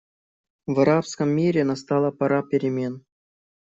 В арабском мире настала пора перемен.